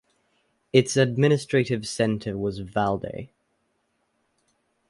Its administrative centre was Valday.